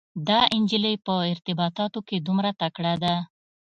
دا انجلۍ په ارتباطاتو کې دومره تکړه ده.